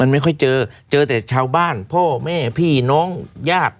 ไม่ค่อยเจอเจอแต่ชาวบ้านพ่อแม่พี่น้องญาติ